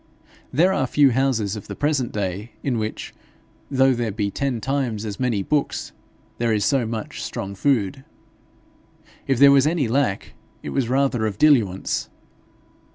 There are few houses of the present day in which, though there be ten times as many books, there is so much strong food; if there was any lack, it was rather of diluents.